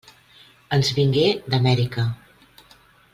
Ens vingué d'Amèrica.